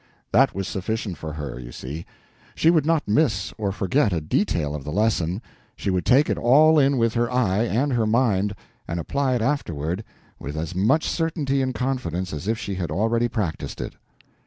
That was sufficient for her, you see. She would not miss or forget a detail of the lesson, she would take it all in with her eye and her mind, and apply it afterward with as much certainty and confidence as if she had already practised it.